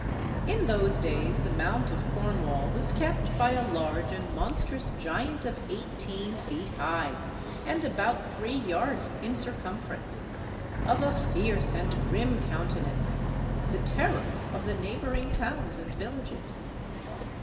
In those days the Mount of Cornwall was kept by a large and monstrous giant of eighteen feet high, and about three yards in circumference, of a fierce and grim countenance, the terror of the neighbouring towns and villages.